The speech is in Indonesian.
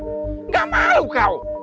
enggak malu kau